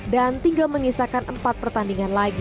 dan tinggal mengisahkan empat pertandingan lagi